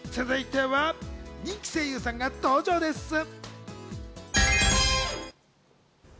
続いては人気声優さんが登場です。